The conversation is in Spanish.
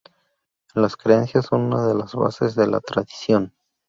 Las creencias son una de las bases de la tradición.